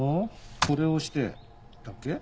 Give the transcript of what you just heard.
これ押してだっけ？